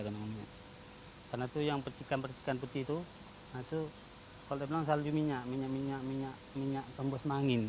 karena itu yang petikan petikan putih itu kalau diperlukan salju minyak minyak minyak minyak minyak minyak pembus mangin